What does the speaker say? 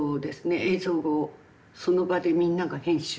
映像をその場でみんなが編集をし始め。